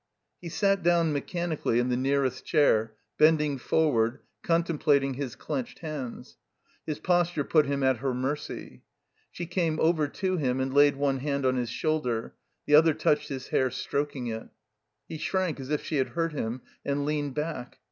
He sat down, mechanically, in the nearest chair, bending forward, contemplating his clenched hands. His posture put him at her mercy. She came over to him and laid one hand on his Moulder; the other touched his hair, stroking it. He shrank as if she had hurt him and leaned back.